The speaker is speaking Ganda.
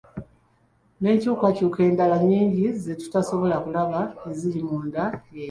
N'enkyukakyuka endala nnyingi ze tutasobola kulaba eziri munda eyo.